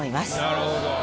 なるほど。